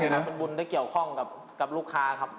นั้นเป็นบุญที่เกี่ยวข้องกับลูกค้าครับ